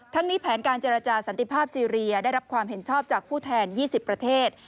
นี้แผนการเจรจาสันติภาพซีเรียได้รับความเห็นชอบจากผู้แทน๒๐ประเทศ